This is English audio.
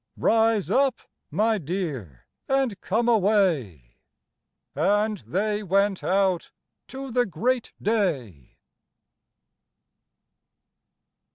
Rise up, my dear, and come away." And they went out to the great day.